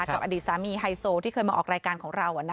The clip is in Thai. กับอดีตสามีไฮโซที่เคยมาออกรายการของเรา